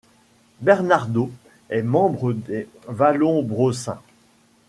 Bernardo est membre des vallombrosains.